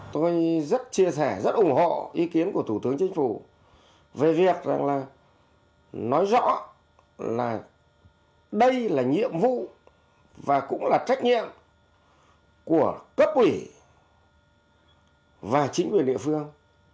tôi rất chia sẻ rất ủng hộ ý kiến của thủ tướng chính phủ về việc rằng là nói rõ là đây là nhiệm vụ và cũng là trách nhiệm của cấp ủy và chính quyền địa phương